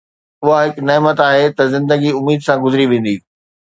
اها هڪ نعمت آهي ته زندگي اميد سان گذري ويندي